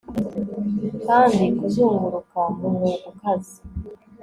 Kandi kuzunguruka mu mwuga ukaze